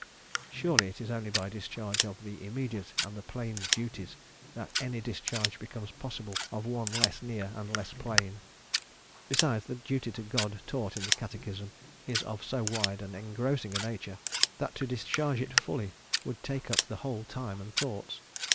Surely, it is only by discharge of the immediate and the plain duty that any discharge becomes possible of one less near and less plain. Besides, the duty to God taught in the Catechism is of so wide and engrossing a nature that to discharge it fully would take up the whole time and thoughts.